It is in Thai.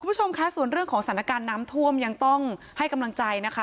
คุณผู้ชมคะส่วนเรื่องของสถานการณ์น้ำท่วมยังต้องให้กำลังใจนะคะ